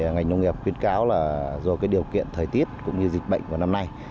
ngành nông nghiệp khuyến cáo là do điều kiện thời tiết cũng như dịch bệnh của năm nay